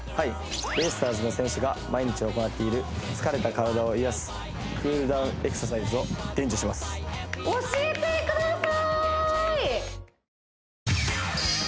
ベイスターズの選手が毎日行っている疲れた体を癒やすクールダウンエクササイズを伝授します教えてください